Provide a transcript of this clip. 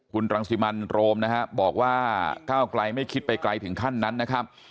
คุณรังสิมันโรมนะฮะบอกว่าก้าวไกลไม่คิดไปไกลถึงขั้นนั้นนะครับ